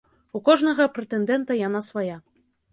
У кожнага прэтэндэнта яна свая.